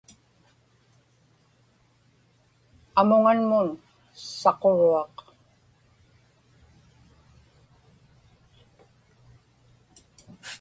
amuŋanmun saquruaq